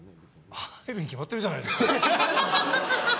入るに決まってるじゃないですか！